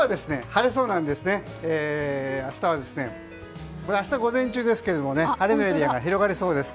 これは明日午前中ですが晴れのエリアが広がりそうです。